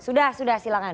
sudah sudah silahkan